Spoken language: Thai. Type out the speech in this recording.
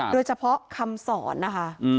โดยเฉพาะคำสอนนะคะ